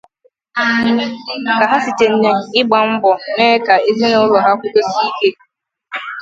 ka ha site n’ịgba mbọ mee ka ezinaụlọ ha kwụdosie ike